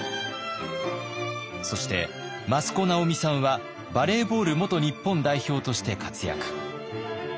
そして益子直美さんはバレーボール元日本代表として活躍。